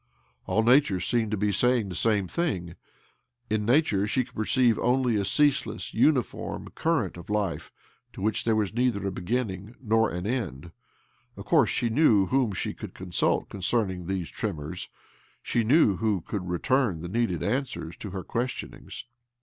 All nature seemed to be saying the same thing ; in nature she could perceive only a ceaseless, uniform current of life to which there was neither a beginning nor an ending. Of course, she knew whom she could consult concerning these tremors — she knew 2 50 OBLOMOV who could return the needed answers to her questionings.